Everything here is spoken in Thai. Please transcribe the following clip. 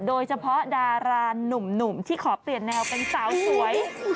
โดยเฉพาะดารานุ่มที่ขอเปลี่ยนแนวเป็นสาวสวย